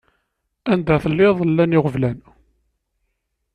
Anda telliḍ llan iɣeblan.